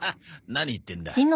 何言ってんだ。